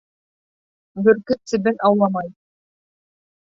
Бөркөт себен ауламай.